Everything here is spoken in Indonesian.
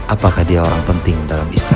apakah dia orang penting dalam istana